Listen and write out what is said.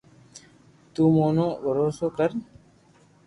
تو موتو ڀروسو ڪر